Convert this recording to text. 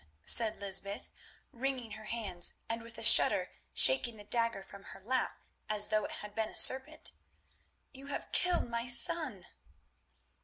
said Lysbeth wringing her hands, and with a shudder shaking the dagger from her lap as though it had been a serpent, "you have killed my son."